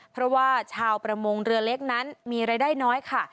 เพราะว่าชาวประมงเรือเล็กนั้นมีรายได้น้อยค่ะ